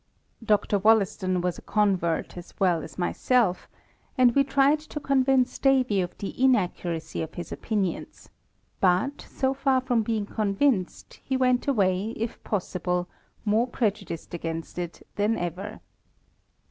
Dr. Wollaston was a convert as well as myself ; and we tried to convince Davy of the in accuracy of his opinions; but, so far from being convinced, he went away, if possible, more preju diced against it than ever.